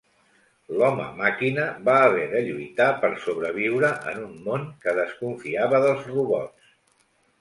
L'Home Màquina va haver de lluitar per sobreviure en un món que desconfiava dels robots.